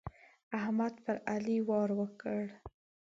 احمد پر علي وار وکړ.